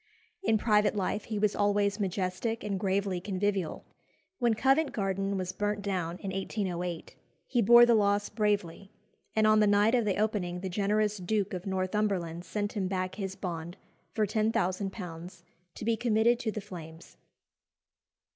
In private life he was always majestic and gravely convivial. When Covent Garden was burnt down in 1808, he bore the loss bravely, and on the night of the opening the generous Duke of Northumberland sent him back his bond for £10,000 to be committed to the flames.